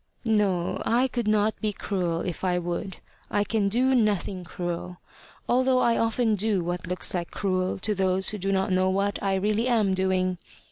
"No; I could not be cruel if I would. I can do nothing cruel, although I often do what looks like cruel to those who do not know what I really am doing.